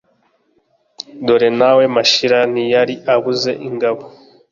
Dore nawe, Mashira ntiyari abuze ingabo